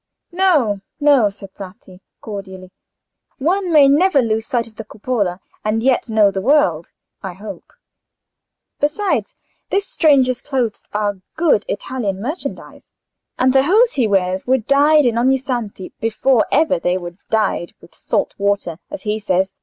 "No, no," said Bratti, cordially; "one may never lose sight of the Cupola and yet know the world, I hope. Besides, this stranger's clothes are good Italian merchandise, and the hose he wears were dyed in Ognissanti before ever they were dyed with salt water, as he says.